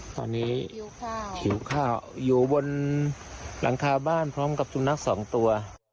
ตอนนี้หิวข้าวอยู่บนหลังคาบ้านพร้อมกับสุนัขสองตัว